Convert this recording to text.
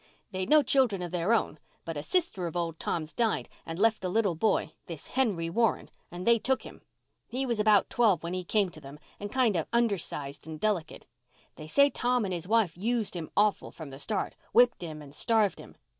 They'd no children of their own, but a sister of old Tom's died and left a little boy—this Henry Warren—and they took him. He was about twelve when he came to them, and kind of undersized and delicate. They say Tom and his wife used him awful from the start—whipped him and starved him.